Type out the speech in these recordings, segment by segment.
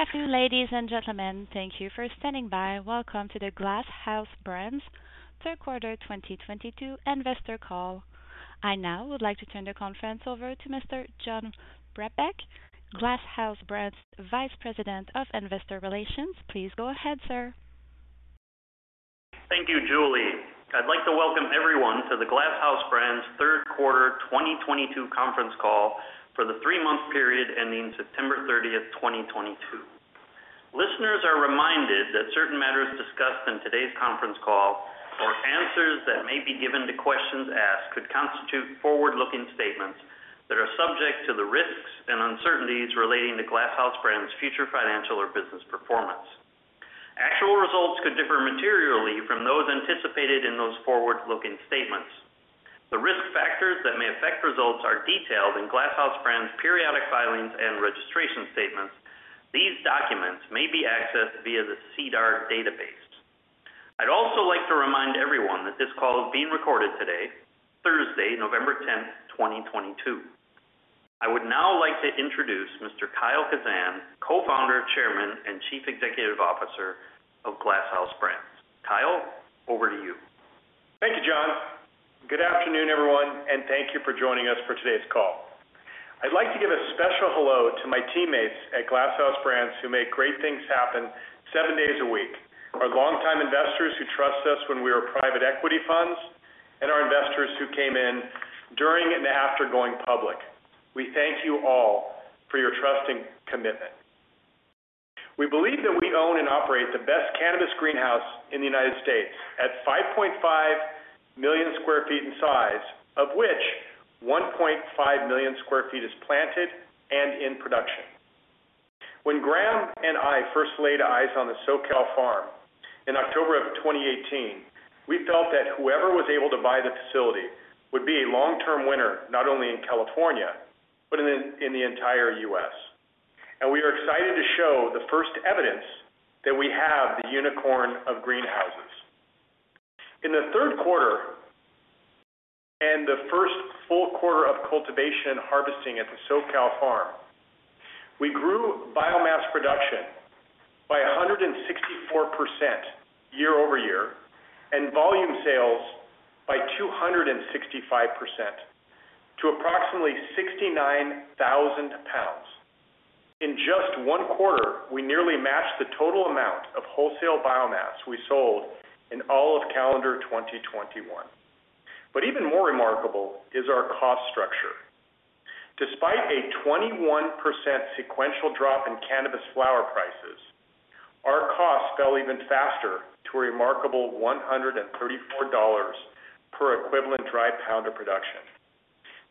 Good afternoon, ladies and gentlemen. Thank you for standing by. Welcome to the Glass House Brands third quarter 2022 investor call. I now would like to turn the conference over to Mr. John Brebeck, Glass House Brands Vice President of Investor Relations. Please go ahead, sir. Thank you, Julie. I'd like to welcome everyone to the Glass House Brands third quarter 2022 conference call for the three-month period ending September 30, 2022. Listeners are reminded that certain matters discussed in today's conference call or answers that may be given to questions asked could constitute forward-looking statements that are subject to the risks and uncertainties relating to Glass House Brands future financial or business performance. Actual results could differ materially from those anticipated in those forward-looking statements. The risk factors that may affect results are detailed in Glass House Brands periodic filings and registration statements. These documents may be accessed via the SEDAR database. I'd also like to remind everyone that this call is being recorded today, Thursday, November 10, 2022. I would now like to introduce Mr. Kyle Kazan, Co-founder, Chairman, and Chief Executive Officer of Glass House Brands. Kyle, over to you. Thank you, John. Good afternoon, everyone, and thank you for joining us for today's call. I'd like to give a special hello to my teammates at Glass House Brands who make great things happen seven days a week. Our longtime investors who trust us when we were private equity funds, and our investors who came in during and after going public. We thank you all for your trusting commitment. We believe that we own and operate the best cannabis greenhouse in the United States at 5.5 million sq ft in size, of which 1.5 million sq ft is planted and in production. When Graham and I first laid eyes on the SoCal farm in October of 2018, we felt that whoever was able to buy the facility would be a long-term winner, not only in California, but in the entire U.S. We are excited to show the first evidence that we have the unicorn of greenhouses. In the third quarter and the first full quarter of cultivation harvesting at the SoCal farm, we grew biomass production by 164% year-over-year, and volume sales by 265% to approximately 69,000 pounds. In just one quarter, we nearly matched the total amount of wholesale biomass we sold in all of calendar 2021. Even more remarkable is our cost structure. Despite a 21% sequential drop in cannabis flower prices, our cost fell even faster to a remarkable $134 per equivalent dry pound of production.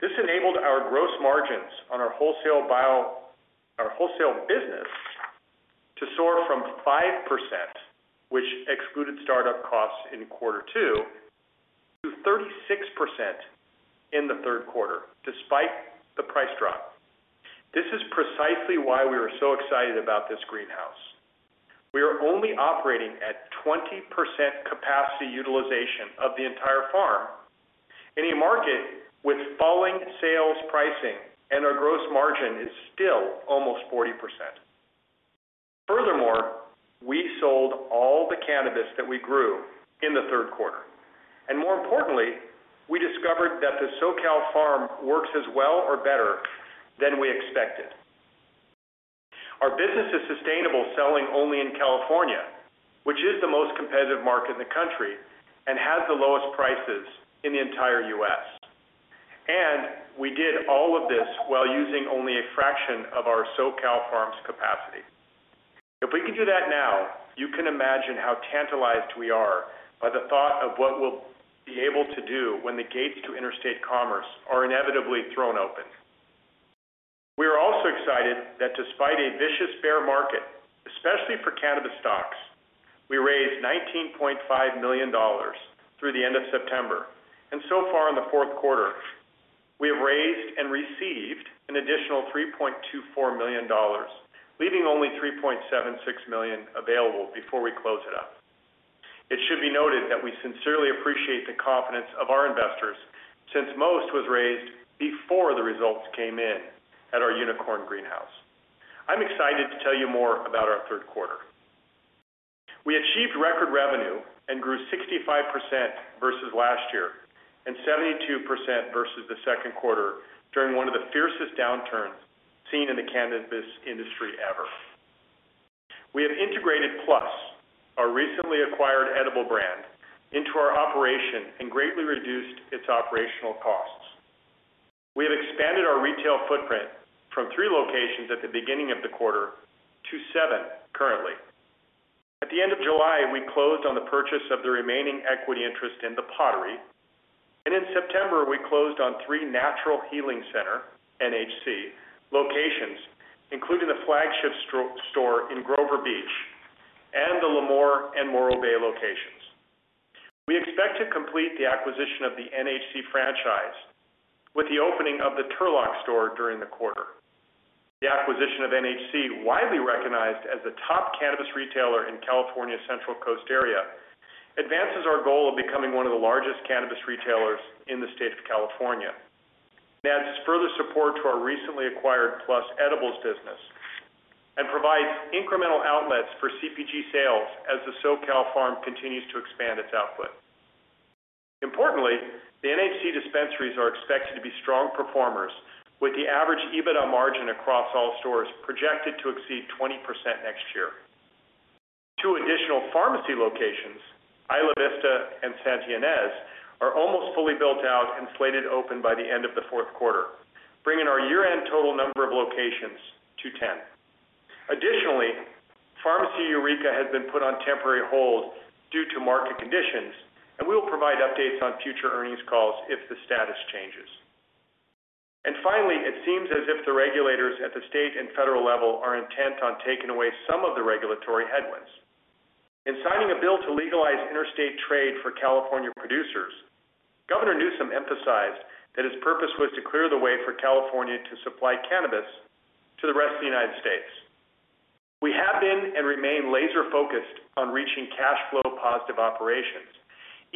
This enabled our gross margins on our wholesale business to soar from 5%, which excluded start-up costs in quarter two, to 36% in the third quarter, despite the price drop. This is precisely why we are so excited about this greenhouse. We are only operating at 20% capacity utilization of the entire farm in a market with falling sales pricing, and our gross margin is still almost 40%. Furthermore, we sold all the cannabis that we grew in the third quarter. More importantly, we discovered that the SoCal farm works as well or better than we expected. Our business is sustainable selling only in California, which is the most competitive market in the country and has the lowest prices in the entire U.S. We did all of this while using only a fraction of our SoCal farm's capacity. If we can do that now, you can imagine how tantalized we are by the thought of what we'll be able to do when the gates to interstate commerce are inevitably thrown open. We are also excited that despite a vicious bear market, especially for cannabis stocks, we raised $19.5 million through the end of September. So far in the fourth quarter, we have raised and received an additional $3.24 million, leaving only $3.76 million available before we close it up. It should be noted that we sincerely appreciate the confidence of our investors since most was raised before the results came in at our unicorn greenhouse. I'm excited to tell you more about our third quarter. We achieved record revenue and grew 65% versus last year, and 72% versus the second quarter during one of the fiercest downturns seen in the cannabis industry ever. We have integrated PLUS, our recently acquired edible brand, into our operation and greatly reduced its operational costs. We have expanded our retail footprint from three locations at the beginning of the quarter to seven currently. At the end of July, we closed on the purchase of the remaining equity interest in The Pottery. In September, we closed on three Natural Healing Center, NHC, locations, including the flagship store in Grover Beach and the Lemoore and Morro Bay locations. We expect to complete the acquisition of the NHC franchise with the opening of the Turlock store during the quarter. The acquisition of NHC, widely recognized as the top cannabis retailer in California Central Coast area, advances our goal of becoming one of the largest cannabis retailers in the state of California. Adds further support to our recently acquired PLUS Products and provides incremental outlets for CPG sales as the SoCal Farm continues to expect to expand its output. Importantly, the NHC dispensaries are expected to be strong performers with the average EBITDA margin across all stores projected to exceed 20% next year. Two additional Farmacy locations, Isla Vista and Santa Ynez, are almost fully built out and slated to open by the end of the fourth quarter, bringing our year-end total number of locations to 10. Additionally, Farmacy Eureka has been put on temporary hold due to market conditions, and we will provide updates on future earnings calls if the status changes. Finally, it seems as if the regulators at the state and federal level are intent on taking away some of the regulatory headwinds. In signing a bill to legalize interstate trade for California producers, Governor Newsom emphasized that his purpose was to clear the way for California to supply cannabis to the rest of the United States. We have been and remain laser-focused on reaching cash flow-positive operations,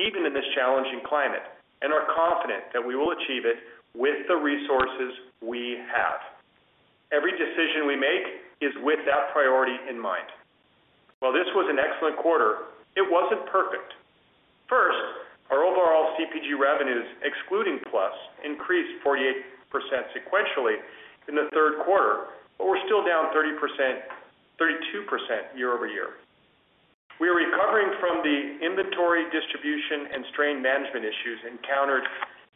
even in this challenging climate, and are confident that we will achieve it with the resources we have. Every decision we make is with that priority in mind. While this was an excellent quarter, it wasn't perfect. First, our overall CPG revenues, excluding PLUS, increased 48% sequentially in the third quarter, but we're still down 32% year-over-year. We are recovering from the inventory, distribution, and strain management issues encountered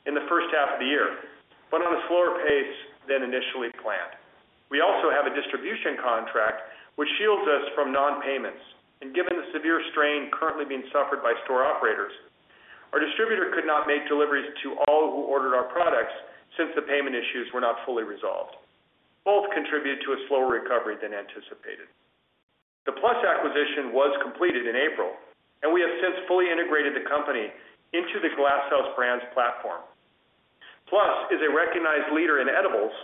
in the first half of the year, but on a slower pace than initially planned. We also have a distribution contract which shields us from non-payments. Given the severe strain currently being suffered by store operators, our distributor could not make deliveries to all who ordered our products since the payment issues were not fully resolved. Both contribute to a slower recovery than anticipated. The PLUS acquisition was completed in April, and we have since fully integrated the company into the Glass House Brands platform. PLUS is a recognized leader in edibles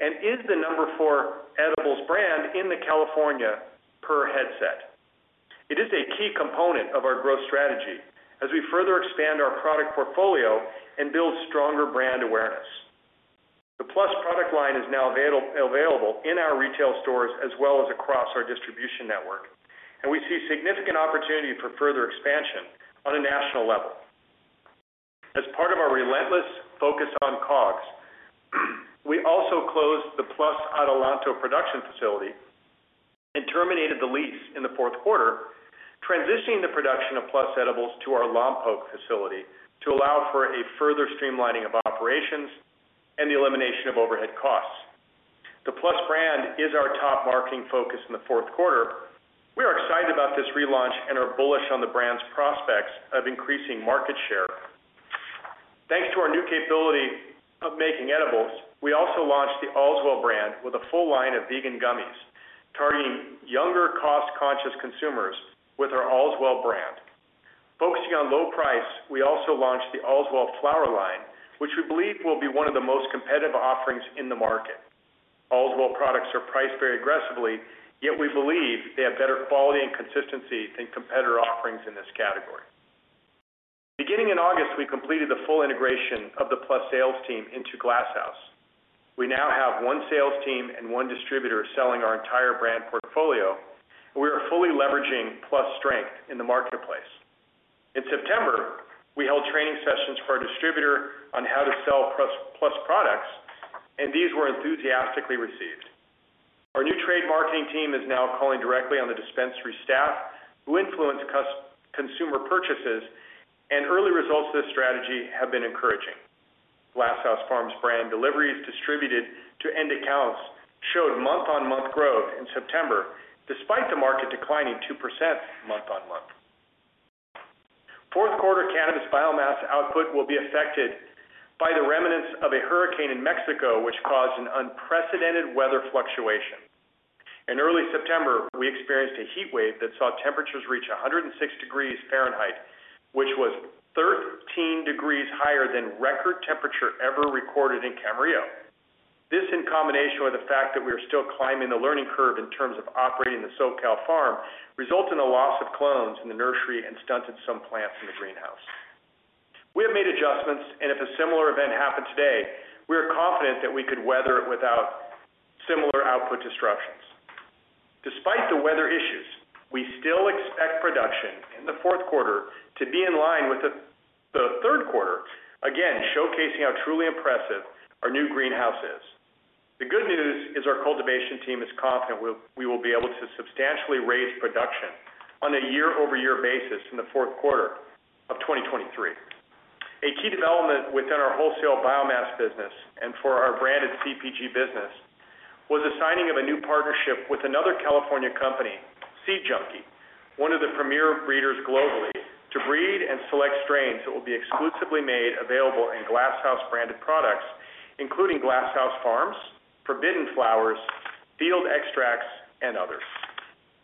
and is the Number 4 edibles brand in California per Headset. It is a key component of our growth strategy as we further expand our product portfolio and build stronger brand awareness. The PLUS product line is now available in our retail stores as well as across our distribution network, and we see significant opportunity for further expansion on a national level. As part of our relentless focus on COGS, we also closed the PLUS Adelanto production facility and terminated the lease in the fourth quarter, transitioning the production of PLUS edibles to our Lompoc facility to allow for a further streamlining of operations and the elimination of overhead costs. The PLUS brand is our top marketing focus in the fourth quarter. We are excited about this relaunch and are bullish on the brand's prospects of increasing market share. Thanks to our new capability of making edibles, we also launched the Allswell brand with a full line of vegan gummies, targeting younger, cost-conscious consumers with our Allswell brand. Focusing on low price, we also launched the Allswell flower line, which we believe will be one of the most competitive offerings in the market. Allswell products are priced very aggressively, yet we believe they have better quality and consistency than competitor offerings in this category. Beginning in August, we completed the full integration of the PLUS sales team into Glass House. We now have one sales team and one distributor selling our entire brand portfolio, and we are fully leveraging PLUS strength in the marketplace. In September, we held training sessions for our distributor on how to sell PLUS products, and these were enthusiastically received. Our new trade marketing team is now calling directly on the dispensary staff who influence customer purchases, and early results of this strategy have been encouraging. Glass House Farms brand deliveries distributed to end accounts showed month-on-month growth in September despite the market declining 2% month-on-month. Fourth quarter cannabis biomass output will be affected by the remnants of a hurricane in Mexico, which caused an unprecedented weather fluctuation. In early September, we experienced a heat wave that saw temperatures reach 106 degrees Fahrenheit, which was 13 degrees higher than record temperature ever recorded in Camarillo. This, in combination with the fact that we are still climbing the learning curve in terms of operating the SoCal Farm, results in the loss of clones in the nursery and stunted some plants in the greenhouse. We have made adjustments, and if a similar event happened today, we are confident that we could weather it without similar output disruptions. Despite the weather issues, we still expect production in the fourth quarter to be in line with the third quarter, again, showcasing how truly impressive our new greenhouse is. The good news is our cultivation team is confident we will be able to substantially raise production on a year-over-year basis in the fourth quarter of 2023. A key development within our wholesale biomass business and for our branded CPG business was the signing of a new partnership with another California company, Seed Junky, one of the premier breeders globally, to breed and select strains that will be exclusively made available in Glass House branded products, including Glass House Farms, Forbidden Flowers, Field Extracts, and others.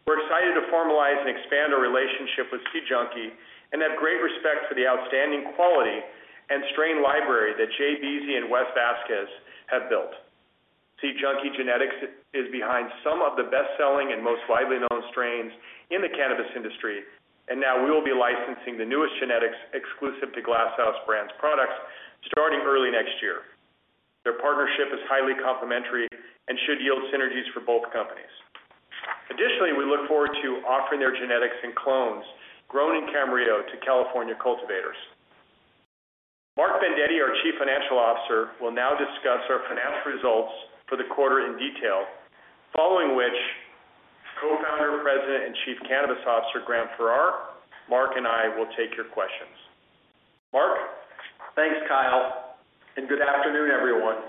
We're excited to formalize and expand our relationship with Seed Junky and have great respect for the outstanding quality and strain library that J-Beezy and Wes Vasquez have built. See, Junky Genetics is behind some of the best-selling and most widely known strains in the cannabis industry, and now we will be licensing the newest genetics exclusive to Glass House Brands products starting early next year. Their partnership is highly complementary and should yield synergies for both companies. Additionally, we look forward to offering their genetics and clones grown in Camarillo to California cultivators. Mark Vendetti, our Chief Financial Officer, will now discuss our financial results for the quarter in detail, following which Co-Founder, President, and Chief Cannabis Officer, Graham Farrar, Mark and I will take your questions. Mark? Thanks, Kyle, and good afternoon, everyone.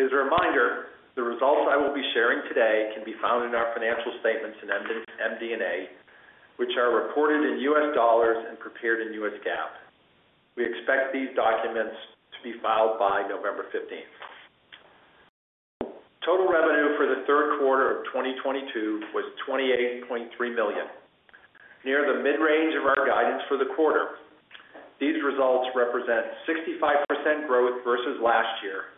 As a reminder, the results I will be sharing today can be found in our financial statements in MD&A, which are reported in U.S. dollars and prepared in U.S. GAAP. We expect these documents to be filed by November 15. Total revenue for the third quarter of 2022 was $28.3 million, near the mid-range of our guidance for the quarter. These results represent 65% growth versus last year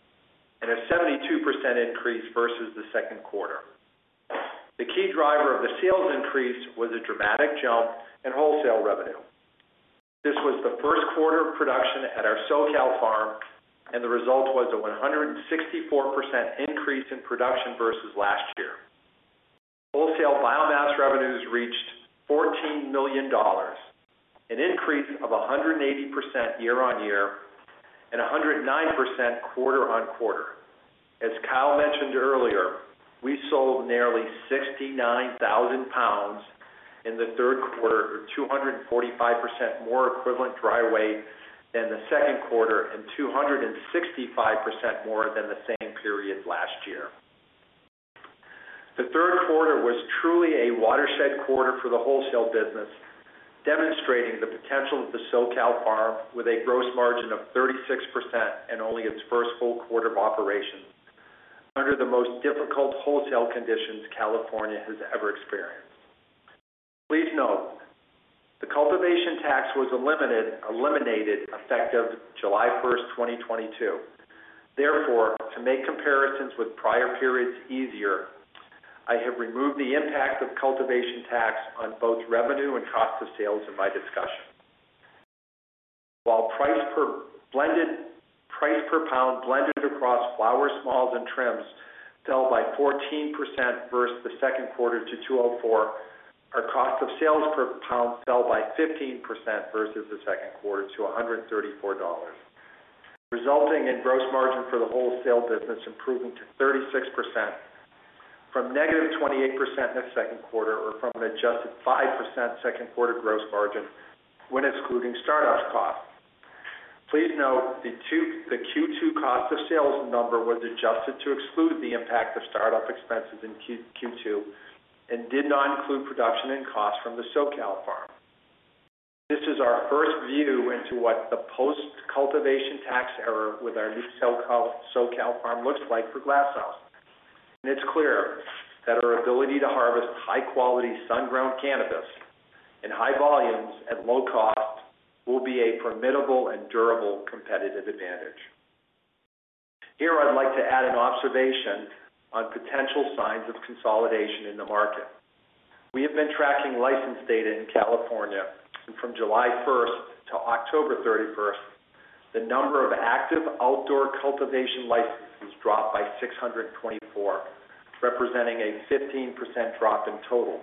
and a 72% increase versus the second quarter. The key driver of the sales increase was a dramatic jump in wholesale revenue. This was the first quarter of production at our SoCal farm, and the result was a 164% increase in production versus last year. Wholesale biomass revenues reached $14 million, an increase of 180% year-on-year and 109% quarter-on-quarter. As Kyle mentioned earlier, we sold nearly 69,000 pounds in the third quarter, or 245% more equivalent dry weight than the second quarter and 265% more than the same period last year. The third quarter was truly a watershed quarter for the wholesale business, demonstrating the potential of the SoCal farm with a gross margin of 36% and only its first full quarter of operation under the most difficult wholesale conditions California has ever experienced. Please note, the cultivation tax was eliminated effective July 1, 2022. Therefore, to make comparisons with prior periods easier, I have removed the impact of cultivation tax on both revenue and cost of sales in my discussion. While price per pound blended across flowers, smalls, and trims fell by 14% versus the second quarter to $204, our cost of sales per pound fell by 15% versus the second quarter to $134, resulting in gross margin for the wholesale business improving to 36% from -28% in the second quarter or from an adjusted 5% second quarter gross margin when excluding startup costs. Please note, the Q2 cost of sales number was adjusted to exclude the impact of startup expenses in Q2 and did not include production and costs from the SoCal farm. This is our first view into what the post-cultivation tax era with our new SoCal farm looks like for Glass House, and it's clear that our ability to harvest high-quality sun-grown cannabis in high volumes at low cost will be a formidable and durable competitive advantage. Here, I'd like to add an observation on potential signs of consolidation in the market. We have been tracking license data in California, and from July 1 to October 31, the number of active outdoor cultivation licenses dropped by 624, representing a 15% drop in total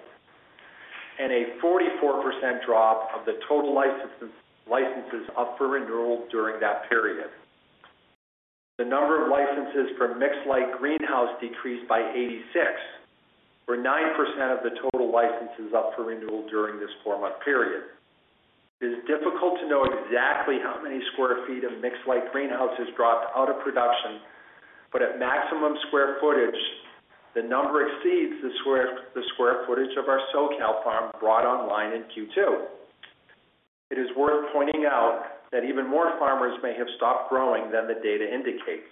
and a 44% drop of the total licenses up for renewal during that period. The number of licenses for mixed-light greenhouse decreased by 86, or 9% of the total licenses up for renewal during this four-month period. It is difficult to know exactly how many square feet of mixed-light greenhouses dropped out of production, but at maximum square footage, the number exceeds the square feet of our SoCal farm brought online in Q2. It is worth pointing out that even more farmers may have stopped growing than the data indicates.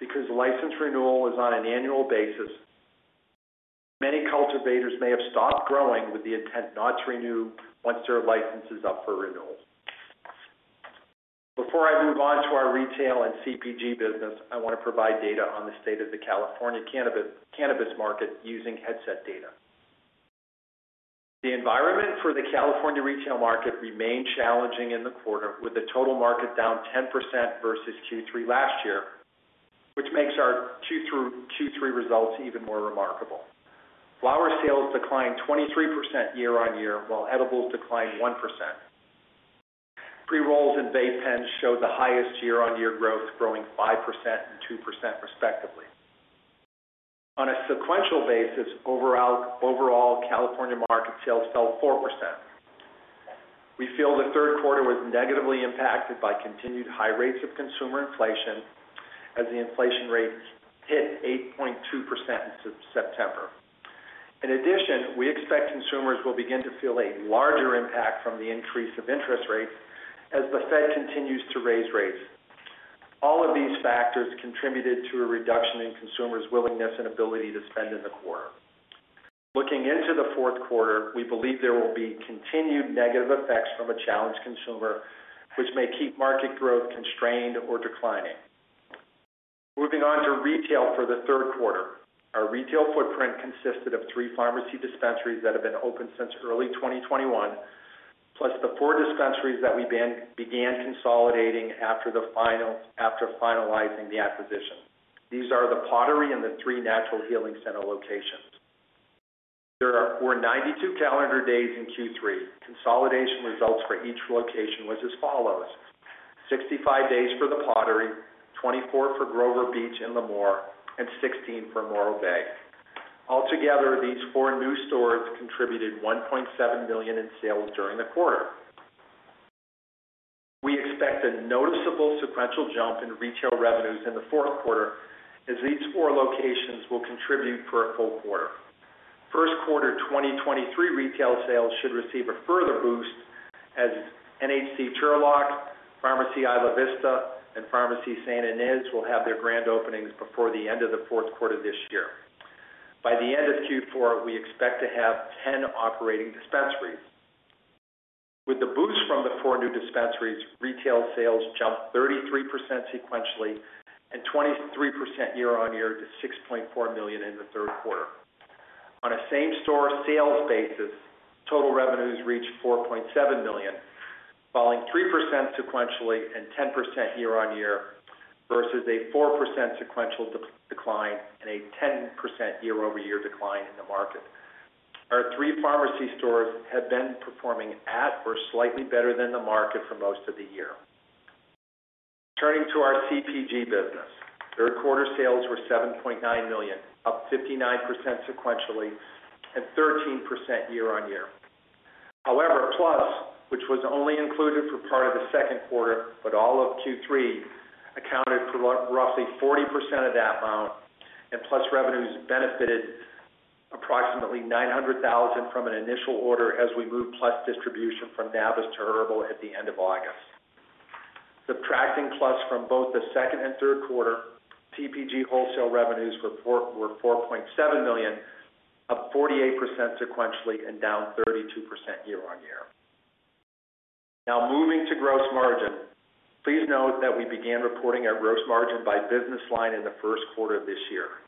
Because license renewal is on an annual basis, many cultivators may have stopped growing with the intent not to renew once their license is up for renewal. Before I move on to our retail and CPG business, I want to provide data on the state of the California cannabis market using Headset data. The environment for the California retail market remained challenging in the quarter, with the total market down 10% versus Q3 last year, which makes our Q3 results even more remarkable. Flower sales declined 23% year-on-year, while edibles declined 1%. Pre-rolls and vape pens showed the highest year-on-year growth, growing 5% and 2% respectively. On a sequential basis, overall California market sales fell 4%. We feel the third quarter was negatively impacted by continued high rates of consumer inflation as the inflation rate hit 8.2% in September. In addition, we expect consumers will begin to feel a larger impact from the increase of interest rates as the Fed continues to raise rates. All of these factors contributed to a reduction in consumers' willingness and ability to spend in the quarter. Looking into the fourth quarter, we believe there will be continued negative effects from a challenged consumer, which may keep market growth constrained or declining. Moving on to retail for the third quarter. Our retail footprint consisted of three Farmacy dispensaries that have been open since early 2021, PLUS the four dispensaries that we began consolidating after finalizing the acquisition. These are The Pottery and the three Natural Healing Center locations. There were 92 calendar days in Q3. Consolidation results for each location was as follows: 65 days for The Pottery, 24 for Grover Beach and Lemoore, and 16 for Morro Bay. Altogether, these four new stores contributed $1.7 million in sales during the quarter. We expect a noticeable sequential jump in retail revenues in the fourth quarter as these four locations will contribute for a full quarter. First quarter 2023 retail sales should receive a further boost as NHC Turlock, Farmacy Isla Vista, and Farmacy Santa Ynez will have their grand openings before the end of the fourth quarter this year. By the end of Q4, we expect to have 10 operating dispensaries. With the boost from the four new dispensaries, retail sales jumped 33% sequentially and 23% year-over-year to $6.4 million in the third quarter. On a same-store sales basis, total revenues reached $4.7 million, falling 3% sequentially and 10% year-over-year versus a 4% sequential decline and a 10% year-over-year decline in the market. Our three Farmacy stores have been performing at or slightly better than the market for most of the year. Turning to our CPG business. Third quarter sales were $7.9 million, up 59% sequentially and 13% year-over-year. However, PLUS, which was only included for part of the second quarter, but all of Q3, accounted for roughly 40% of that amount. PLUS revenues benefited approximately $900,000 from an initial order as we moved PLUS distribution from Nabis to Herbl at the end of August. Subtracting PLUS from both the second and third quarter, CPG wholesale revenues were $4.7 million, up 48% sequentially and down 32% year-on-year. Now, moving to gross margin. Please note that we began reporting our gross margin by business line in the first quarter of this year.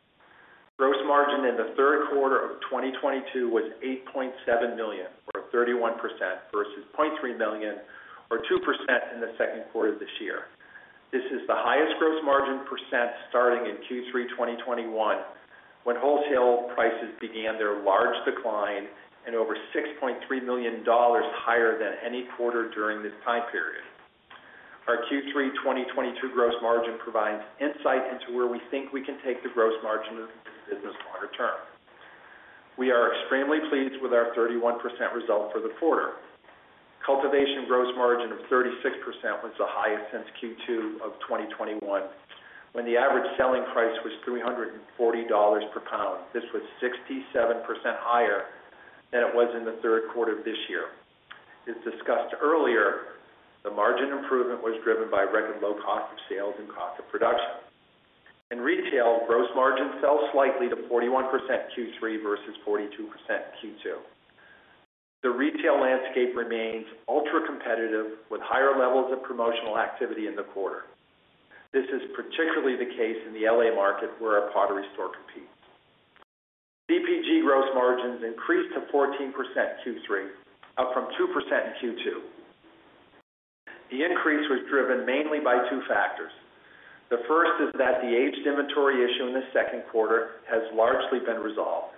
Gross margin in the third quarter of 2022 was $8.7 million, or 31% versus $0.3 million or 2% in the second quarter of this year. This is the highest gross margin percent starting in Q3 2021, when wholesale prices began their large decline and over $6.3 million higher than any quarter during this time period. Our Q3 2022 gross margin provides insight into where we think we can take the gross margin of the business longer term. We are extremely pleased with our 31% result for the quarter. Cultivation gross margin of 36% was the highest since Q2 of 2021, when the average selling price was $340 per pound. This was 67% higher than it was in the third quarter of this year. As discussed earlier, the margin improvement was driven by record low cost of sales and cost of production. In retail, gross margin fell slightly to 41% Q3 versus 42% Q2. The retail landscape remains ultra-competitive with higher levels of promotional activity in the quarter. This is particularly the case in the L.A. market where our The Pottery store competes. CPG gross margins increased to 14% Q3, up from 2% in Q2. The increase was driven mainly by two factors. The first is that the aged inventory issue in the second quarter has largely been resolved.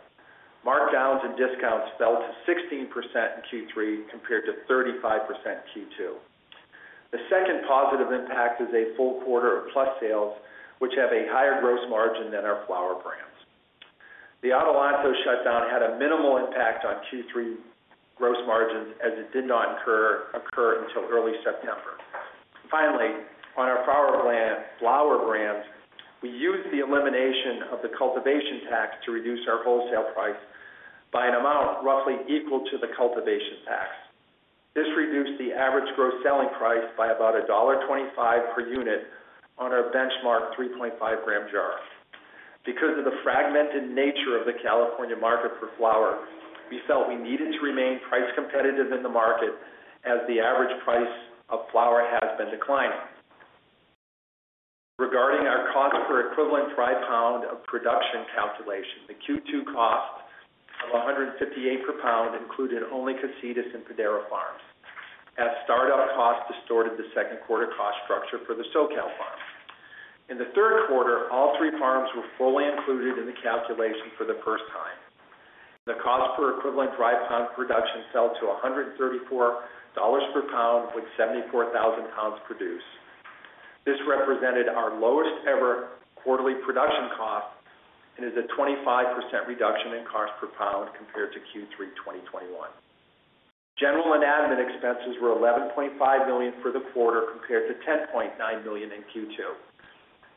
Markdowns and discounts fell to 16% in Q3 compared to 35% in Q2. The second positive impact is a full quarter of PLUS sales, which have a higher gross margin than our flower brands. The Adelanto shutdown had a minimal impact on Q3 gross margins as it did not occur until early September. Finally, on our flower brands, we used the elimination of the cultivation tax to reduce our wholesale price by an amount roughly equal to the cultivation tax. This reduced the average gross selling price by about $1.25 per unit on our benchmark 3.5-gram jar. Because of the fragmented nature of the California market for flower, we felt we needed to remain price competitive in the market as the average price of flower has been declining. Regarding our cost per equivalent dry pound of production calculation, the Q2 cost of $158 per pound included only Casitas and Padaro Farm as startup costs distorted the second quarter cost structure for the SoCal Farm. In the third quarter, all three farms were fully included in the calculation for the first time. The cost per equivalent dry pound production fell to $134 per pound, with 74,000 pounds produced. This represented our lowest ever quarterly production cost and is a 25% reduction in cost per pound compared to Q3 2021. General and admin expenses were $11.5 million for the quarter, compared to $10.9 million in Q2.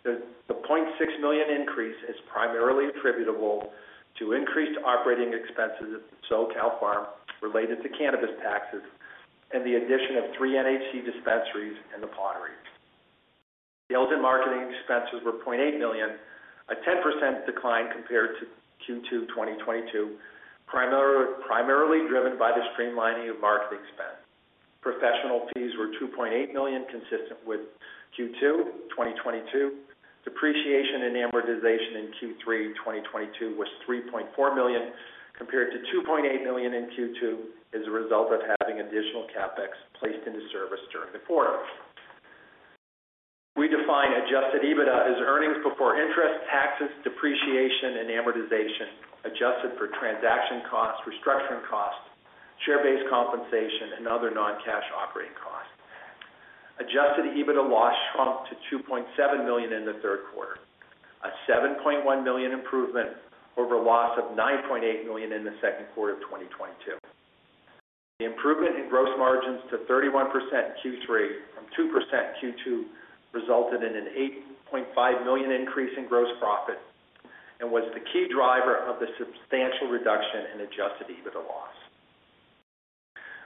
The $0.6 million increase is primarily attributable to increased operating expenses at the SoCal Farm related to cannabis taxes and the addition of three NHC dispensaries in The Pottery. The sales and marketing expenses were $0.8 million, a 10% decline compared to Q2 2022, primarily driven by the streamlining of marketing spend. Professional fees were $2.8 million, consistent with Q2 2022. Depreciation and amortization in Q3 2022 was $3.4 million, compared to $2.8 million in Q2, as a result of having additional CapEx placed into service during the quarter. We define adjusted EBITDA as earnings before interest, taxes, depreciation and amortization, adjusted for transaction costs, restructuring costs, share-based compensation and other non-cash operating costs. Adjusted EBITDA loss shrunk to $2.7 million in the third quarter, a $7.1 million improvement over a loss of $9.8 million in the second quarter of 2022. The improvement in gross margins to 31% in Q3 from 2% in Q2 resulted in an $8.5 million increase in gross profit and was the key driver of the substantial reduction in adjusted EBITDA loss.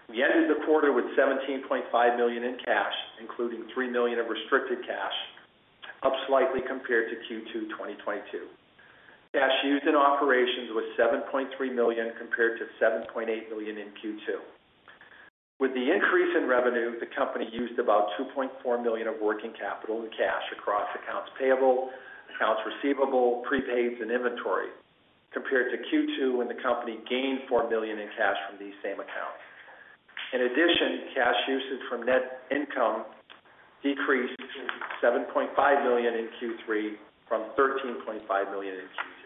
We ended the quarter with $17.5 million in cash, including $3 million in restricted cash, up slightly compared to Q2 2022. Cash used in operations was $7.3 million compared to $7.8 million in Q2. With the increase in revenue, the company used about $2.4 million of working capital in cash across accounts payable, accounts receivable, prepaids and inventory, compared to Q2 when the company gained $4 million in cash from these same accounts. In addition, cash usage from net income decreased to $7.5 million in Q3 from $13.5 million in Q2.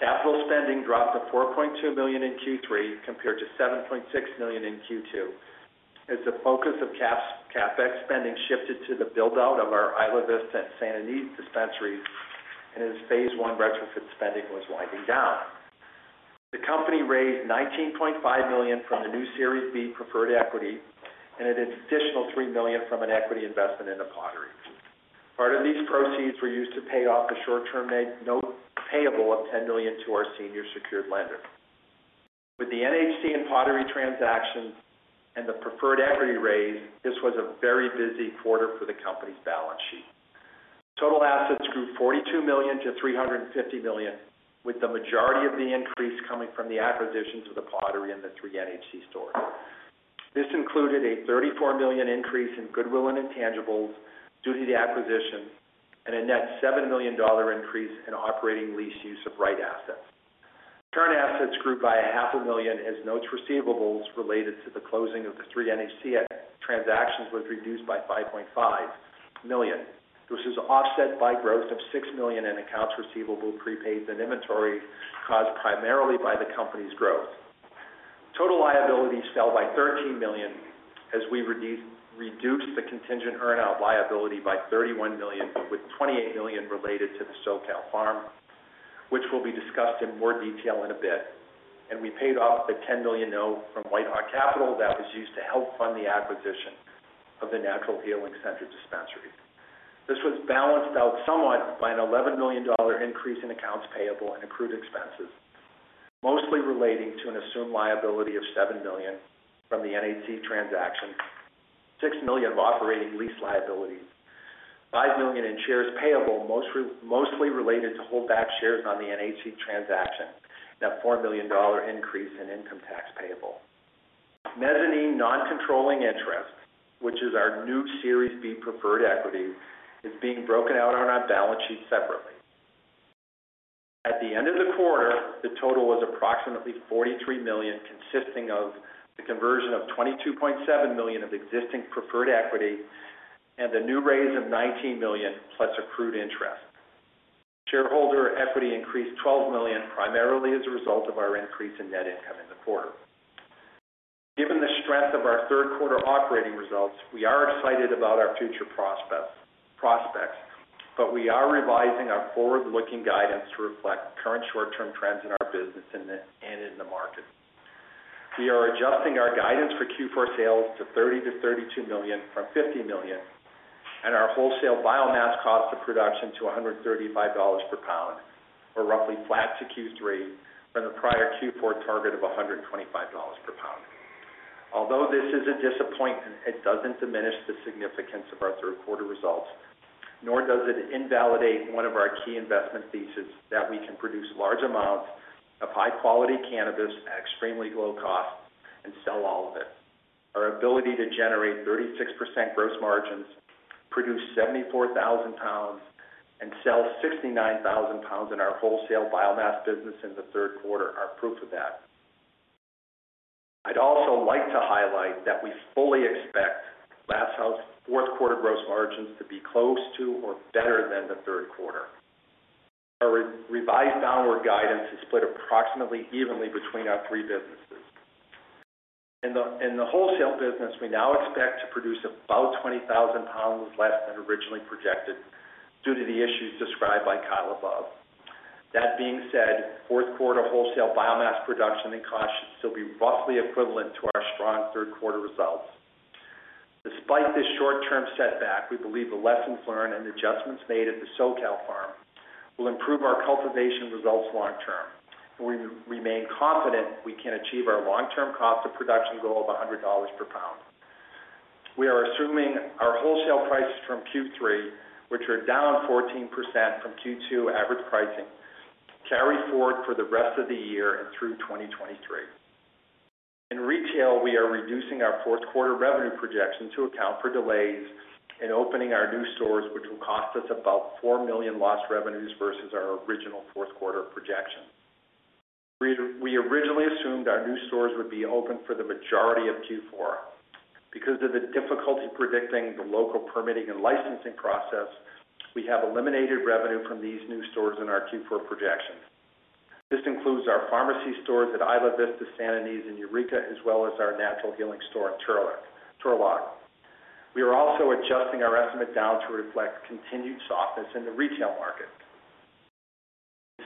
Capital spending dropped to $4.2 million in Q3 compared to $7.6 million in Q2 as the focus of CapEx spending shifted to the build-out of our Isla Vista and Santa Ynez dispensaries and as phase one retrofit spending was winding down. The company raised $19.5 million from the new Series B preferred equity and an additional $3 million from an equity investment in The Pottery. Part of these proceeds were used to pay off the short-term note payable of $10 million to our senior secured lender. With the NHC and The Pottery transactions and the preferred equity raise, this was a very busy quarter for the company's balance sheet. Total assets grew $42 million-$350 million, with the majority of the increase coming from the acquisitions of The Pottery and the three NHC stores. This included a $34 million increase in goodwill and intangibles due to the acquisition and a net $7 million increase in operating lease right-of-use assets. Current assets grew by $0.5 million as notes receivable related to the closing of the three NHC transactions was reduced by $5.5 million. This was offset by growth of $6 million in accounts receivable, prepaids, and inventory caused primarily by the company's growth. Total liabilities fell by $13 million as we reduced the contingent earnout liability by $31 million, with $28 million related to the SoCal farm, which will be discussed in more detail in a bit. We paid off the $10 million note from WhiteHawk Capital Partners that was used to help fund the acquisition of the Natural Healing Center dispensaries. This was balanced out somewhat by an $11 million increase in accounts payable and accrued expenses, mostly relating to an assumed liability of $7 million from the NHC transaction, $6 million of operating lease liabilities, $5 million in shares payable, mostly related to hold back shares on the NHC transaction, and a $4 million increase in income tax payable. Mezzanine non-controlling interest, which is our new Series B preferred equity, is being broken out on our balance sheet separately. At the end of the quarter, the total was approximately $43 million, consisting of the conversion of $22.7 million of existing preferred equity and the new raise of $19 million, PLUS accrued interest. Shareholder equity increased $12 million, primarily as a result of our increase in net income in the quarter. Given the strength of our third quarter operating results, we are excited about our future prospects, but we are revising our forward-looking guidance to reflect current short-term trends in our business in the market. We are adjusting our guidance for Q4 sales to $30 million-$32 million from $50 million and our wholesale biomass cost of production to $135 per pound or roughly flat to Q3 from the prior Q4 target of $125 per pound. Although this is a disappointment, it doesn't diminish the significance of our third quarter results, nor does it invalidate one of our key investment thesis that we can produce large amounts of high-quality cannabis at extremely low cost and sell all of it. Our ability to generate 36% gross margins, produce 74,000 pounds and sell 69,000 pounds in our wholesale biomass business in the third quarter are proof of that. I'd also like to highlight that we fully expect Glass House Brands fourth quarter gross margins to be close to or better than the third quarter. Our revised downward guidance is split approximately evenly between our three businesses. In the wholesale business, we now expect to produce about 20,000 pounds less than originally projected due to the issues described by Kyle above. That being said, fourth quarter wholesale biomass production and costs should still be roughly equivalent to our strong third quarter results. Despite this short-term setback, we believe the lessons learned and adjustments made at the SoCal farm will improve our cultivation results long term. We remain confident we can achieve our long-term cost of production goal of $100 per pound. We are assuming our wholesale prices from Q3, which are down 14% from Q2 average pricing, carry forward for the rest of the year and through 2023. In retail, we are reducing our fourth quarter revenue projections to account for delays in opening our new stores, which will cost us about $4 million lost revenues versus our original fourth quarter projection. We originally assumed our new stores would be open for the majority of Q4. Because of the difficulty predicting the local permitting and licensing process, we have eliminated revenue from these new stores in our Q4 projections. This includes our Farmacy stores at Isla Vista, Santa Ynez, and Eureka, as well as our Natural Healing Center store in Turlock. We are also adjusting our estimate down to reflect continued softness in the retail market.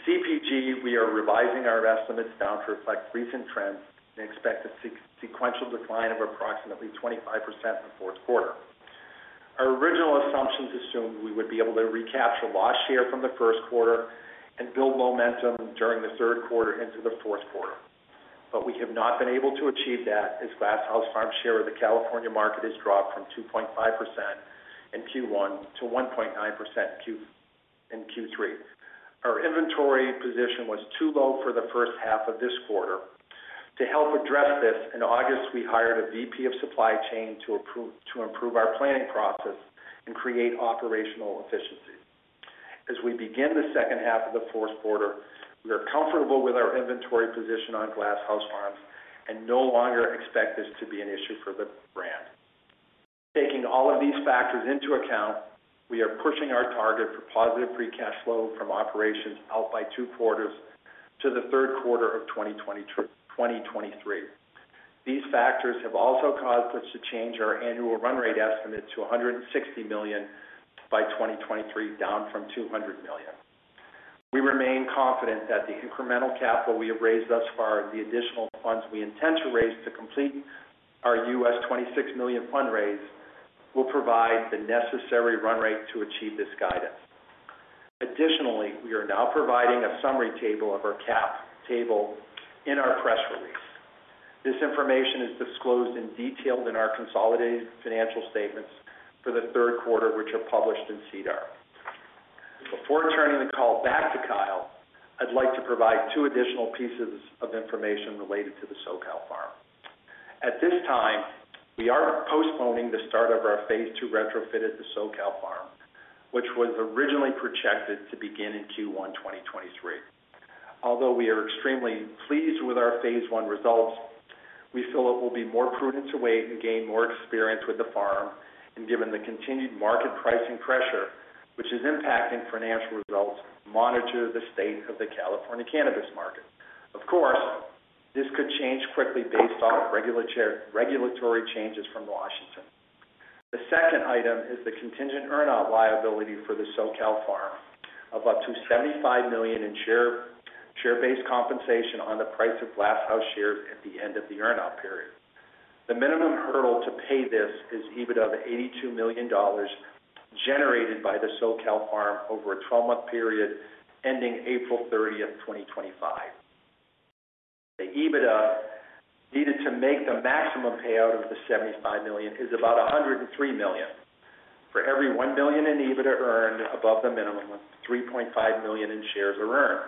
CPG, we are revising our estimates down to reflect recent trends and expect a sequential decline of approximately 25% in the fourth quarter. Our original assumptions assumed we would be able to recapture lost share from the first quarter and build momentum during the third quarter into the fourth quarter. We have not been able to achieve that as Glass House Farms's share of the California market has dropped from 2.5% in Q1 to 1.9% in Q3. Our inventory position was too low for the first half of this quarter. To help address this, in August, we hired a VP of supply chain to improve our planning process and create operational efficiency. As we begin the second half of the fourth quarter, we are comfortable with our inventory position on Glass House Farms and no longer expect this to be an issue for the brand. Taking all of these factors into account, we are pushing our target for positive free cash flow from operations out by two quarters to the third quarter of 2023. These factors have also caused us to change our annual run rate estimate to $160 million by 2023, down from $200 million. We remain confident that the incremental capital we have raised thus far and the additional funds we intend to raise to complete our $26 million fundraise will provide the necessary run rate to achieve this guidance. Additionally, we are now providing a summary table of our cap table in our press release. This information is disclosed in detail in our consolidated financial statements for the third quarter, which are published in SEDAR. Before turning the call back to Kyle, I'd like to provide two additional pieces of information related to the SoCal farm. At this time, we are postponing the start of our phase two retrofit at the SoCal farm, which was originally projected to begin in Q1 2023. Although we are extremely pleased with our phase one results, we feel it will be more prudent to wait and gain more experience with the farm, and given the continued market pricing pressure, which is impacting financial results, monitor the state of the California cannabis market. Of course, this could change quickly based on regulatory changes from Washington. The second item is the contingent earnout liability for the SoCal farm of up to $75 million in share-based compensation on the price of Glass House shares at the end of the earnout period. The minimum hurdle to pay this is EBITDA of $82 million generated by the SoCal farm over a 12-month period ending April 30, 2025. The EBITDA needed to make the maximum payout of the $75 million is about $103 million. For every $1 million in EBITDA earned above the minimum of $3.5 million in shares are earned.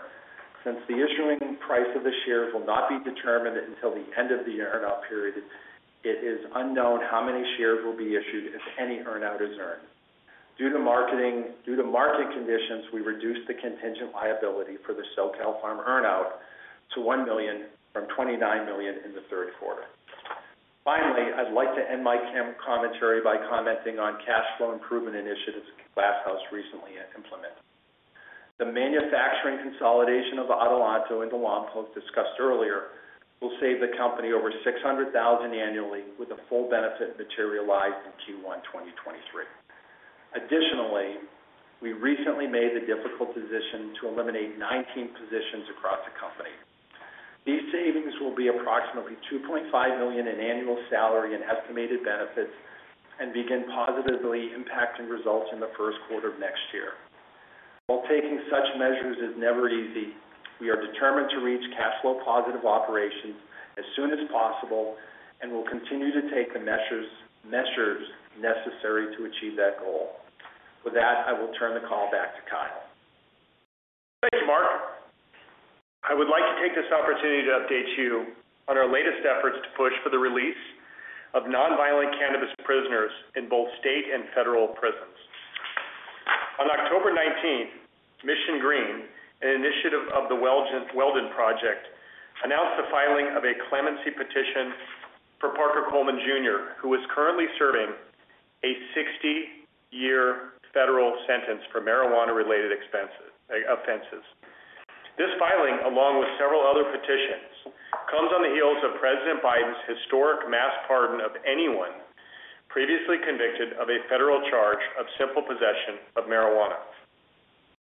Since the issuing price of the shares will not be determined until the end of the earnout period, it is unknown how many shares will be issued if any earnout is earned. Due to market conditions, we reduced the contingent liability for the SoCal Farm earnout to $1 million from $29 million in the third quarter. Finally, I'd like to end my commentary by commenting on cash flow improvement initiatives Glass House recently implemented. The manufacturing consolidation of Adelanto into Lompoc, discussed earlier, will save the company over $600,000 annually, with the full benefit materialized in Q1 2023. Additionally, we recently made the difficult decision to eliminate 19 positions across the company. These savings will be approximately $2.5 million in annual salary and estimated benefits and begin positively impacting results in the first quarter of next year. While taking such measures is never easy, we are determined to reach cash flow positive operations as soon as possible and will continue to take the measures necessary to achieve that goal. With that, I will turn the call back to Kyle. Thanks, Mark. I would like to take this opportunity to update you on our latest efforts to push for the release of non-violent cannabis prisoners in both state and federal prisons. On October nineteenth, Mission Green, an initiative of the Weldon Project, announced the filing of a clemency petition for Parker Coleman Jr, who is currently serving a 60-year federal sentence for marijuana-related offenses. This filing, along with several other petitions, comes on the heels of President Biden's historic mass pardon of anyone previously convicted of a federal charge of simple possession of marijuana.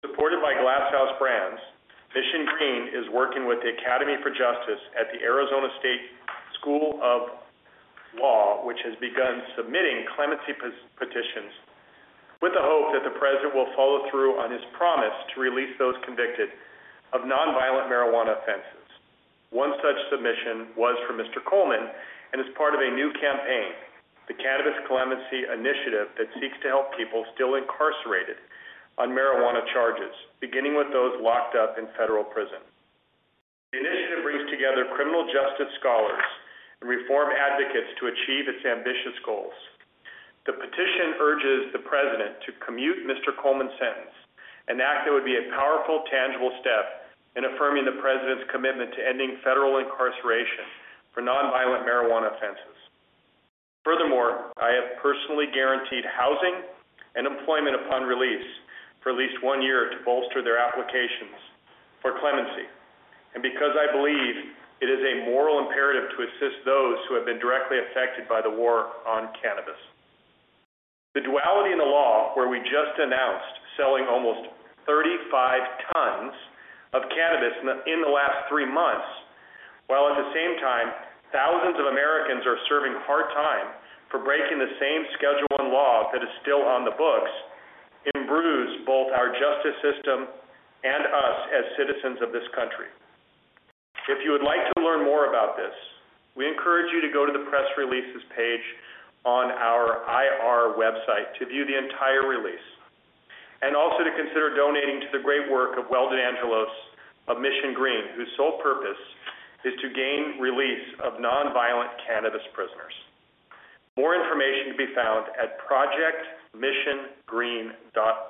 Supported by Glass House Brands is working with the Academy for Justice at the Arizona State University Sandra Day O'Connor College of Law, which has begun submitting clemency petitions with the hope that the President will follow through on his promise to release those convicted of non-violent marijuana offenses. One such submission was for Mr. Coleman and is part of a new campaign, the Cannabis Clemency Initiative, that seeks to help people still incarcerated on marijuana charges, beginning with those locked up in federal prison. The initiative brings together criminal justice scholars and reform advocates to achieve its ambitious goals. The petition urges the President to commute Mr. Coleman's sentence, an act that would be a powerful, tangible step in affirming the President's commitment to ending federal incarceration for non-violent marijuana offenses. Furthermore, I have personally guaranteed housing and employment upon release for at least one year to bolster their applications for clemency. Because I believe it is a moral imperative to assist those who have been directly affected by the war on cannabis. The duality in the law, where we just announced selling almost 35 tons of cannabis in the last three months, while at the same time thousands of Americans are serving hard time for breaking the same Schedule I law that is still on the books, it imbues both our justice system and us as citizens of this country. If you would like to learn more about this, we encourage you to go to the press releases page on our IR website to view the entire release. Also to consider donating to the great work of Weldon Angelos of Mission Green, whose sole purpose is to gain release of non-violent cannabis prisoners. More information can be found at projectmissiongreen.org. With that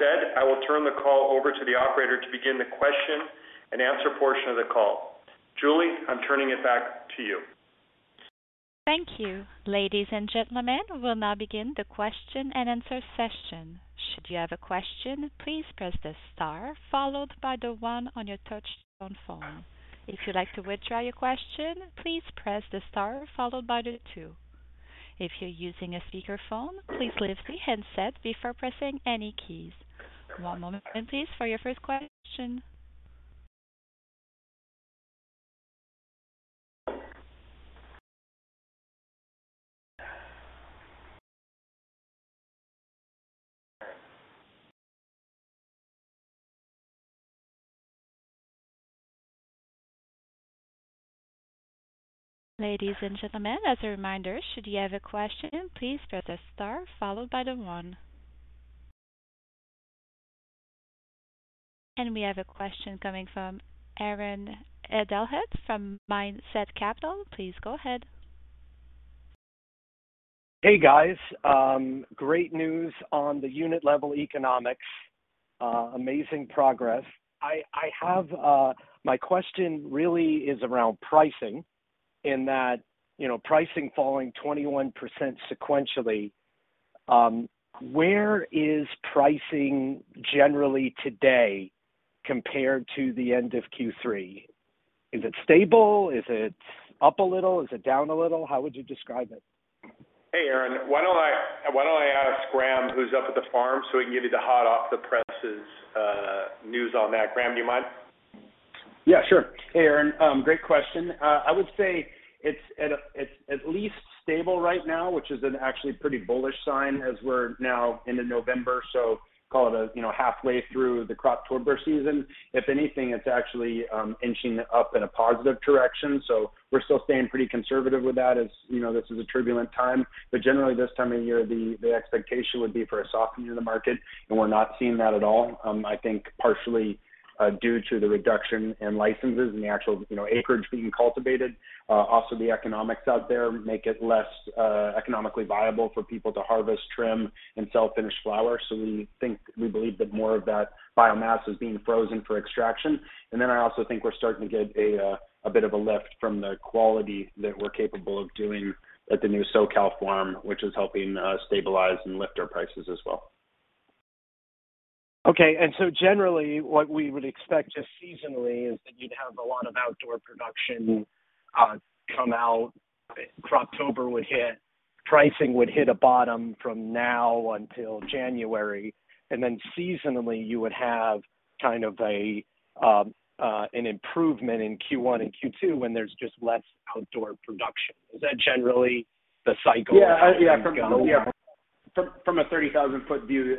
said, I will turn the call over to the operator to begin the question and answer portion of the call. Julie, I'm turning it back to you. Thank you. Ladies and gentlemen, we'll now begin the question and answer session. Should you have a question, please press the star followed by the one on your touchtone phone. If you'd like to withdraw your question, please press the star followed by the two. If you're using a speakerphone, please lift the handset before pressing any keys. One moment please for your first question. Ladies and gentlemen, as a reminder, should you have a question, please press star followed by the one. We have a question coming from Aaron Edelheit from Mindset Capital. Please go ahead. Hey, guys. Great news on the unit level economics. Amazing progress. My question really is around pricing, in that, you know, pricing falling 21% sequentially, where is pricing generally today compared to the end of Q3? Is it stable? Is it up a little? Is it down a little? How would you describe it? Hey, Aaron. Why don't I ask Graham, who's up at the farm, so he can give you the hot-off-the-presses news on that. Graham, do you mind? Yeah, sure. Hey, Aaron, great question. I would say it's at least stable right now, which is actually a pretty bullish sign as we're now into November, so call it a, you know, halfway through the Croptober season. If anything, it's actually inching up in a positive direction, so we're still staying pretty conservative with that as, you know, this is a turbulent time. Generally, this time of year, the expectation would be for a softening of the market, and we're not seeing that at all. I think partially due to the reduction in licenses and the actual, you know, acreage being cultivated. Also the economics out there make it less economically viable for people to harvest, trim, and sell finished flower. So we think, we believe that more of that biomass is being frozen for extraction. I also think we're starting to get a bit of a lift from the quality that we're capable of doing at the new SoCal farm, which is helping stabilize and lift our prices as well. Generally, what we would expect just seasonally is that you'd have a lot of outdoor production come out. Croptober would hit, pricing would hit a bottom from now until January, and then seasonally you would have kind of an improvement in Q1 and Q2 when there's just less outdoor production. Is that generally the cycle? Yeah. From a 30,000-foot view,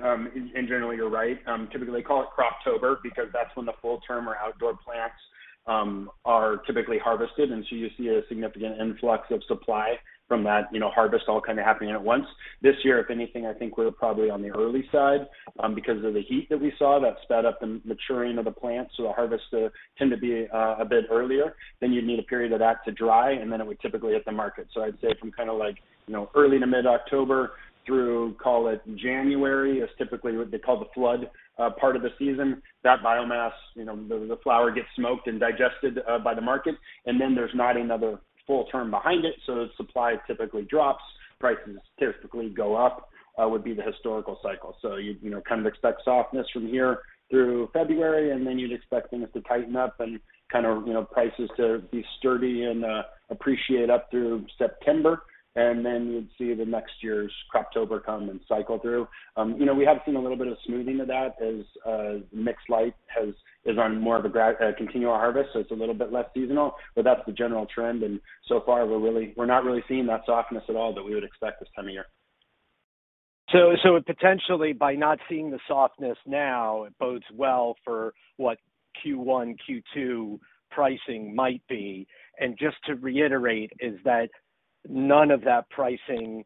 in general, you're right. Typically call it Croptober because that's when the full-term or outdoor plants are typically harvested. You see a significant influx of supply from that, you know, harvest all kind of happening at once. This year, if anything, I think we're probably on the early side, because of the heat that we saw that sped up the maturing of the plants. The harvests tend to be a bit earlier. You'd need a period of that to dry, and then it would typically hit the market. I'd say from kind of like, you know, early to mid-October through, call it January, is typically what they call the flood part of the season. That biomass, you know, the flower gets smoked and digested by the market, and then there's not another full term behind it. Supply typically drops, prices typically go up, would be the historical cycle. You know, kind of expect softness from here through February, and then you'd expect things to tighten up and kind of, you know, prices to be sturdy and appreciate up through September. Then you'd see the next year's Croptober come and cycle through. You know, we have seen a little bit of smoothing of that as mixed light is on more of a continual harvest, so it's a little bit less seasonal, but that's the general trend. So far we're not really seeing that softness at all that we would expect this time of year. Potentially by not seeing the softness now, it bodes well for what Q1, Q2 pricing might be. Just to reiterate, is that none of that pricing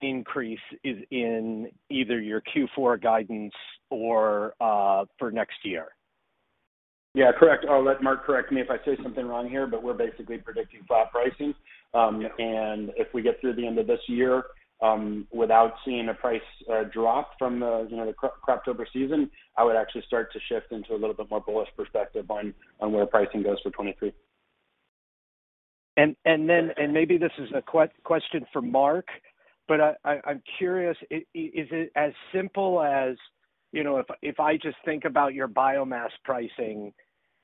increase in either your Q4 guidance or for next year? Yeah. Correct. I'll let Mark correct me if I say something wrong here, but we're basically predicting flat pricing. If we get through the end of this year without seeing a price drop from the, you know, the Croptober season, I would actually start to shift into a little bit more bullish perspective on where pricing goes for 2023. Maybe this is a question for Mark, but I'm curious, is it as simple as, you know, if I just think about your biomass pricing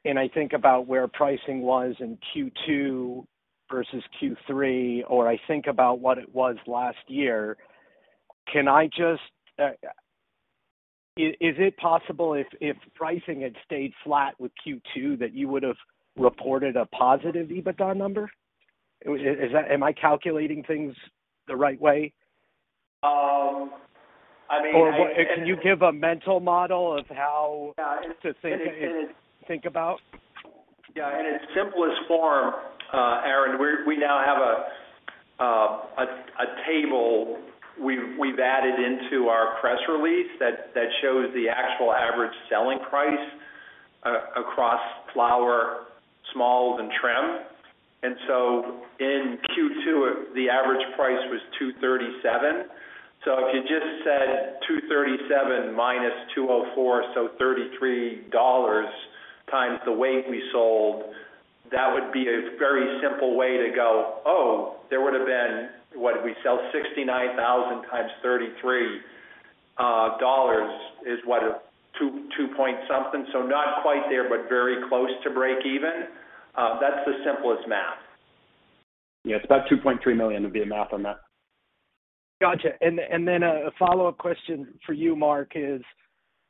and I think about where pricing was in Q2 versus Q3, or I think about what it was last year, can I just? Is it possible if pricing had stayed flat with Q2 that you would've reported a positive EBITDA number? Is that? Am I calculating things the right way? I mean. Can you give a mental model of how. Yeah. It's. To think about? Yeah. In its simplest form, Aaron, we now have a table we've added into our press release that shows the actual average selling price across flower, smalls and trim. In Q2, the average price was $237. If you just said $237 = $204, $33x the weight we sold, that would be a very simple way to go, "Oh, there would have been, what did we sell 69,000 x $33, dollars is what? $2 point something." Not quite there, but very close to breakeven. That's the simplest math. Yeah. It's about $2.3 million would be the math on that. Gotcha. Then a follow-up question for you, Mark, is,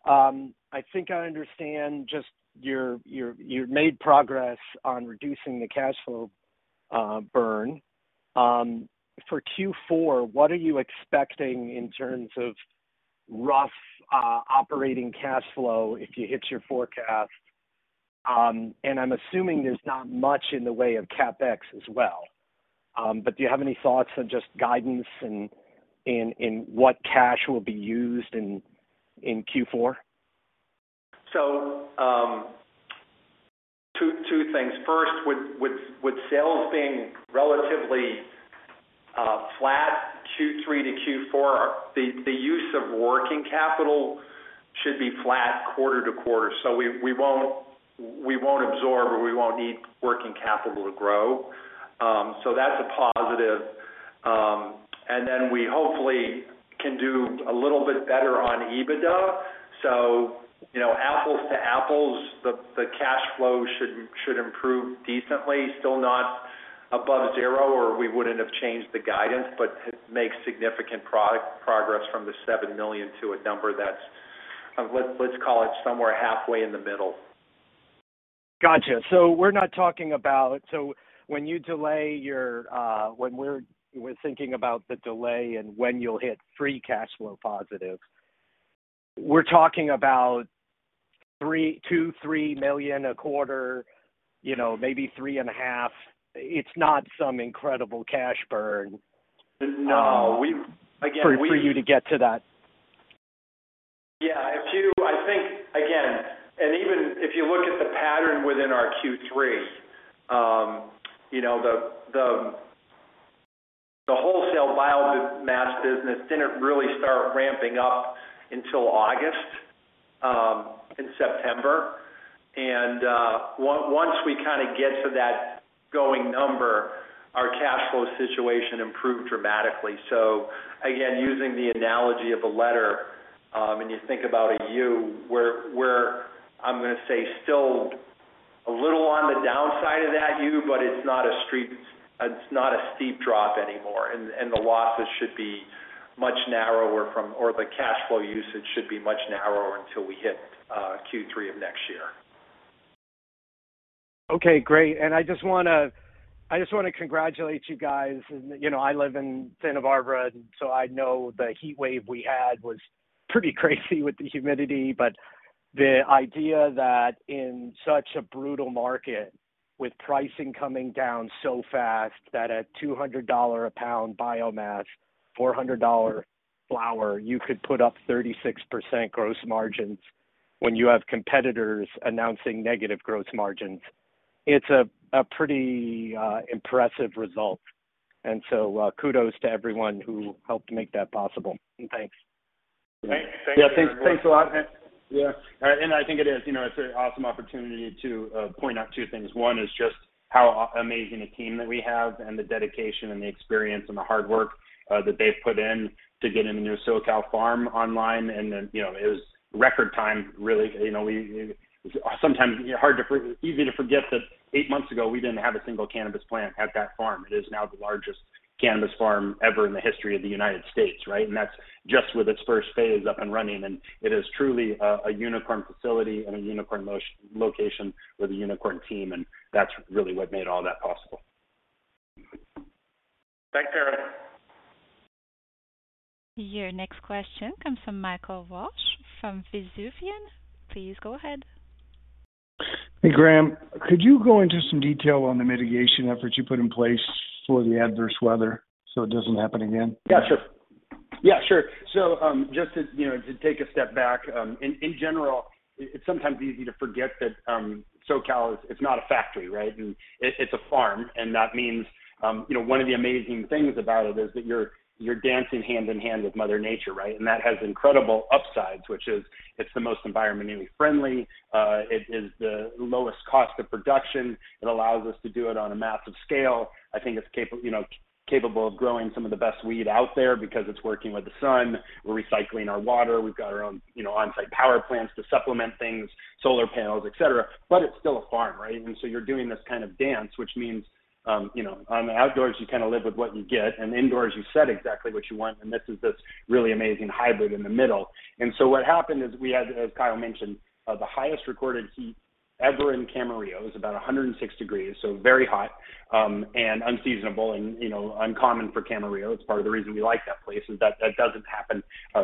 I think I understand just you've made progress on reducing the cash flow burn. For Q4, what are you expecting in terms of rough operating cash flow if you hit your forecast? I'm assuming there's not much in the way of CapEx as well. Do you have any thoughts on just guidance and what cash will be used in Q4? Two things. First, with sales being relatively flat, Q3-Q4, the use of working capital should be flat quarter-to-quarter. We won't need working capital to grow. That's a positive. Then we hopefully can do a little bit better on EBITDA. You know, apples to apples, the cash flow should improve decently. Still not above zero, or we wouldn't have changed the guidance, but it makes significant progress from the $7 million to a number that's, let's call it somewhere halfway in the middle. Gotcha. We're not talking about. When we're thinking about the delay and when you'll hit free cash flow positives, we're talking about $2 million-$3 million a quarter, you know, maybe $3.5. It's not some incredible cash burn. No. Again, we. For you to get to that. Yeah. I think again, even if you look at the pattern within our Q3, the wholesale biomass business didn't really start ramping up until August and September. Once we kinda get to that going number, our cash flow situation improved dramatically. Again, using the analogy of a letter, and you think about a U, we're, I'm gonna say still a little on the downside of that U, but it's not a steep drop anymore. The losses should be much narrower or the cash flow usage should be much narrower until we hit Q3 of next year. Okay, great. I just wanna congratulate you guys. You know, I live in Santa Barbara, so I know the heat wave we had was pretty crazy with the humidity. The idea that in such a brutal market with pricing coming down so fast that at $200 a pound biomass, $400 flower, you could put up 36% gross margins when you have competitors announcing negative gross margins is a pretty impressive result. Kudos to everyone who helped make that possible. Thanks. Thanks. Thanks very much. Yeah. Thanks a lot. Yeah. I think it is, you know, it's an awesome opportunity to point out two things. One is just how amazing a team that we have and the dedication and the experience and the hard work that they've put in to get a new SoCal farm online. You know, it was record time, really. You know, it's easy to forget that eight months ago, we didn't have a single cannabis plant at that farm. It is now the largest cannabis farm ever in the history of the United States, right? That's just with its first phase up and running. It is truly a unicorn facility and a unicorn location with a unicorn team, and that's really what made all that possible. Thanks, everyone. Your next question comes from Michael Walsh from Canaccord Genuity. Please go ahead. Hey, Graham. Could you go into some detail on the mitigation efforts you put in place for the adverse weather so it doesn't happen again? Yeah, sure. Just to take a step back, in general, it's sometimes easy to forget that SoCal is. It's not a factory, right? It's a farm, and that means one of the amazing things about it is that you're dancing hand in hand with mother nature, right? That has incredible upsides, which is it's the most environmentally friendly. It is the lowest cost of production. It allows us to do it on a massive scale. I think it's capable of growing some of the best weed out there because it's working with the sun. We're recycling our water. We've got our own on-site power plants to supplement things, solar panels, et cetera. But it's still a farm, right? You're doing this kind of dance, which means, on the outdoors, you kind of live with what you get, and indoors you set exactly what you want. This is really amazing hybrid in the middle. What happened is we had, as Kyle mentioned, the highest recorded heat ever in Camarillo. It was about 106 degrees, so very hot, and unseasonable and, you know, uncommon for Camarillo. It's part of the reason we like that place is that that doesn't happen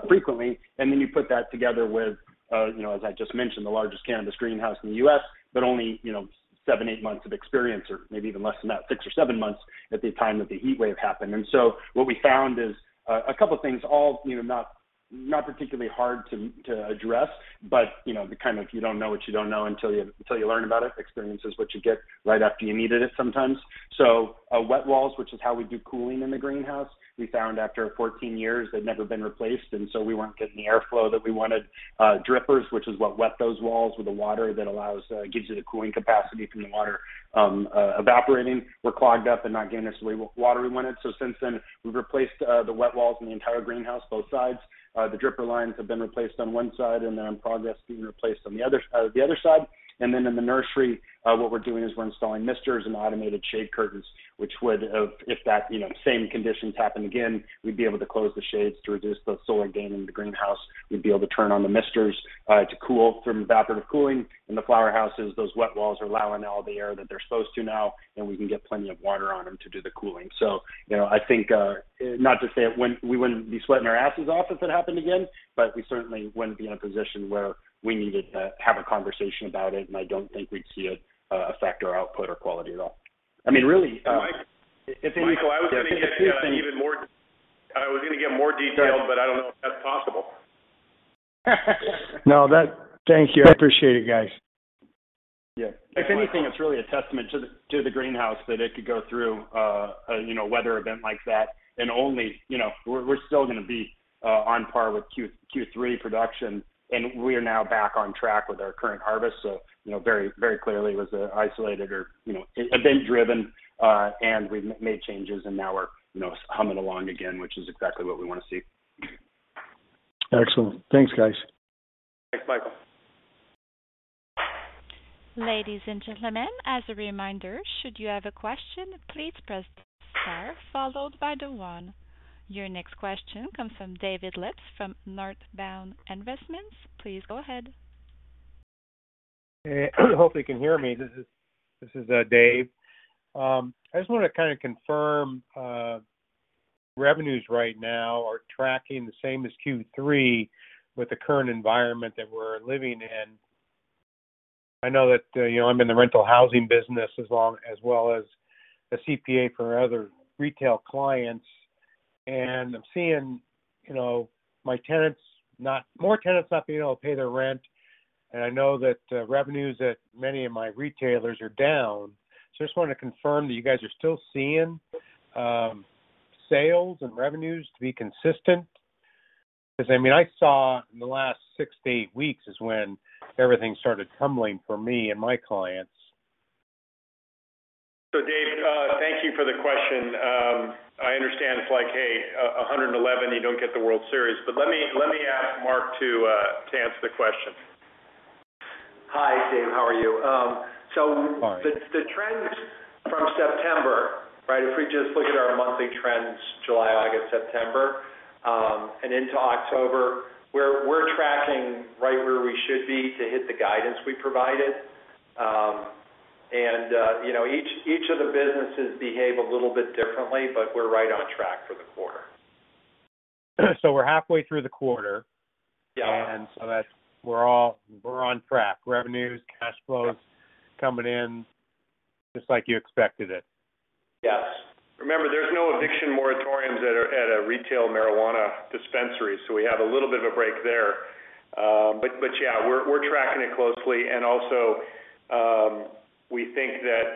frequently. Then you put that together with, you know, as I just mentioned, the largest cannabis greenhouse in the U.S., but only, you know, seven, eight months of experience or maybe even less than that, six or seven months at the time that the heat wave happened. What we found is a couple things, you know, not particularly hard to address, but, you know, the kind of, you don't know what you don't know until you learn about it. Experience is what you get right after you needed it sometimes. Wet walls, which is how we do cooling in the greenhouse, we found after 14 years they'd never been replaced, and so we weren't getting the airflow that we wanted. Drippers, which is what wets those walls with the water that gives you the cooling capacity from the water evaporating, were clogged up and not getting us the water we wanted. Since then, we've replaced the wet walls in the entire greenhouse, both sides. The dripper lines have been replaced on one side and then in progress being replaced on the other, the other side. In the nursery, what we're doing is we're installing misters and automated shade curtains, which would have if that, you know, same conditions happen again, we'd be able to close the shades to reduce the solar gain in the greenhouse. We'd be able to turn on the misters to cool from evaporative cooling. In the flower houses, those wet walls are allowing all the air that they're supposed to now, and we can get plenty of water on them to do the cooling. You know, I think we wouldn't be sweating our asses off if it happened again, but we certainly wouldn't be in a position where we needed to have a conversation about it, and I don't think we'd see it affect our output or quality at all. I mean, really, Michael, I was gonna get more detailed, but I don't know if that's possible. Thank you. I appreciate it, guys. Yeah. If anything, it's really a testament to the greenhouse that it could go through a you know weather event like that and only you know we're still gonna be on par with Q3 production, and we are now back on track with our current harvest. So you know very clearly it was isolated or you know event-driven and we made changes, and now we're you know humming along again, which is exactly what we wanna see. Excellent. Thanks, guys. Thanks, Michael. Ladies and gentlemen, as a reminder, should you have a question, please press star followed by the one. Your next question comes from David Lipper from Northbound Investments. Please go ahead. Hey, hopefully you can hear me. This is Dave. I just wanna kind of confirm revenues right now are tracking the same as Q3 with the current environment that we're living in. I know that I'm in the rental housing business as well as a CPA for other retail clients, and I'm seeing more tenants not being able to pay their rent. I know that revenues at many of my retailers are down. I just wanted to confirm that you guys are still seeing sales and revenues to be consistent. I mean, I saw in the last 6-8 weeks is when everything started tumbling for me and my clients. Dave, thank you for the question. I understand it's like, hey, 111, you don't get the World Series. Let me ask Mark to answer the question. Hi, Dave. How are you? Fine. The trends from September, right? If we just look at our monthly trends, July, August, September, and into October, we're tracking right where we should be to hit the guidance we provided. You know, each of the businesses behave a little bit differently, but we're right on track for the quarter. We're halfway through the quarter. Yeah. We're on track. Revenues, cash flows coming in just like you expected it. Yes. Remember, there's no eviction moratoriums at our retail marijuana dispensaries, so we have a little bit of a break there. Yeah, we're tracking it closely. Also, we think that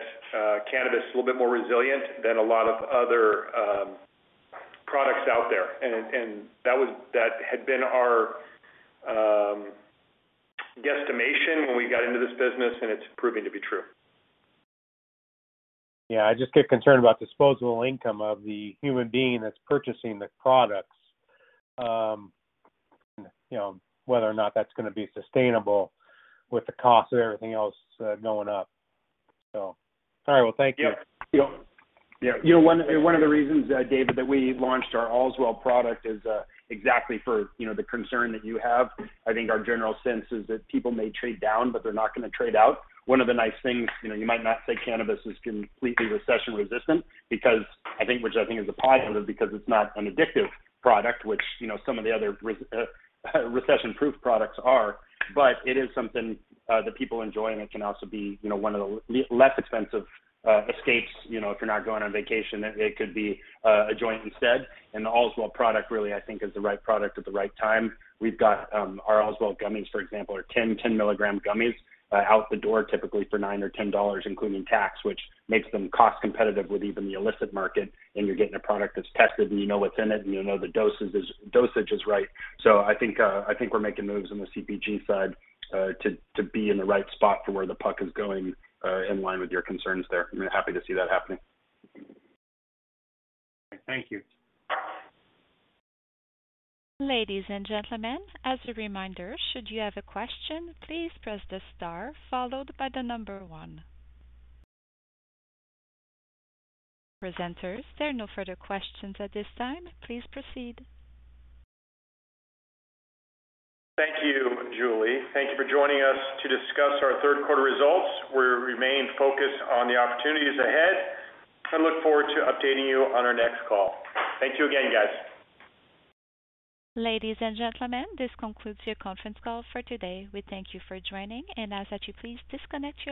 cannabis is a little bit more resilient than a lot of other products out there. That had been our guesstimation when we got into this business, and it's proving to be true. Yeah. I just get concerned about disposable income of the human being that's purchasing the products, you know, whether or not that's gonna be sustainable with the cost of everything else, going up. All right. Well, thank you. Yeah. You know, one of the reasons, David, that we launched our Allswell product is exactly for, you know, the concern that you have. I think our general sense is that people may trade down, but they're not gonna trade out. One of the nice things, you know, you might not say cannabis is completely recession resistant because I think, which I think is a positive, because it's not an addictive product, which, you know, some of the other recession-proof products are. But it is something that people enjoy, and it can also be, you know, one of the less expensive escapes. You know, if you're not going on vacation, it could be a joint instead. The Allswell product really, I think is the right product at the right time. We've got our Allswell gummies, for example, are 10 mg-10 mg gummies out the door, typically for $9-$10, including tax, which makes them cost competitive with even the illicit market. You're getting a product that's tested and you know what's in it, and you know the dosage is right. I think we're making moves on the CPG side to be in the right spot for where the puck is going in line with your concerns there. I'm happy to see that happening. Thank you. Ladies and gentlemen, as a reminder, should you have a question, please press the star followed by the number one. Presenters, there are no further questions at this time. Please proceed. Thank you, Julie. Thank you for joining us to discuss our third quarter results. We remain focused on the opportunities ahead and look forward to updating you on our next call. Thank you again, guys. Ladies and gentlemen, this concludes your conference call for today. We thank you for joining and ask that you please disconnect your lines.